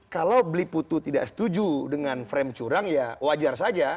kalau beli putu tidak setuju dengan frame curang ya wajar saja